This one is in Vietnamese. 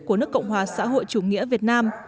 của nước cộng hòa xã hội chủ nghĩa việt nam